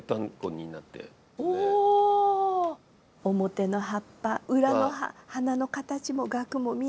表の葉っぱ裏の葉花の形もガクも見えて。